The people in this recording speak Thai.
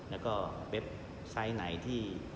แล้วก็เว็บไซต์ไหนที่